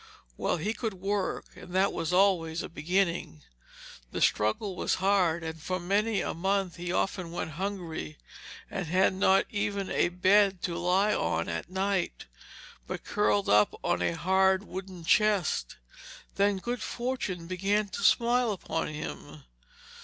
Well, he could work, and that was always a beginning. The struggle was hard, and for many a month he often went hungry and had not even a bed to lie on at night, but curled himself up on a hard wooden chest. Then good fortune began to smile upon him.